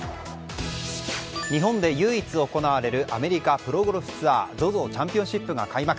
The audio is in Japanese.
日本で唯一行われるアメリカプロゴルフツアーＺＯＺＯチャンピオンシップが開幕。